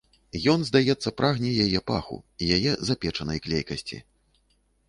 Ён, здаецца, прагне яе паху і яе запечанай клейкасці.